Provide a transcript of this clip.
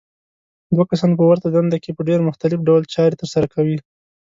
دوه کسان په ورته دنده کې په ډېر مختلف ډول چارې ترسره کوي.